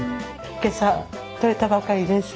今朝取れたばかりです。